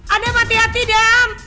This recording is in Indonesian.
adam hati hati adam